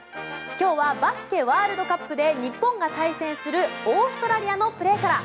今日はバスケワールドカップで日本が対戦するオーストラリアのプレーから。